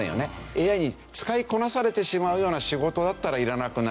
ＡＩに使いこなされてしまうような仕事だったらいらなくなる。